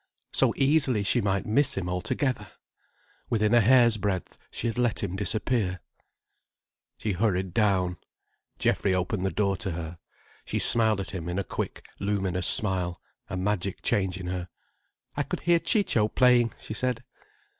So easily she might miss him altogether! Within a hair's breadth she had let him disappear. She hurried down. Geoffrey opened the door to her. She smiled at him in a quick, luminous smile, a magic change in her. "I could hear Ciccio playing," she said.